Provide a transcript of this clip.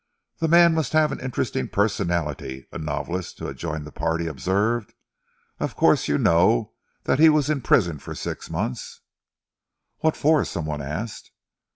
"The man must have an interesting personality," a novelist who had joined the party observed. "Of course, you know that he was in prison for six months?" "What for?" some one asked.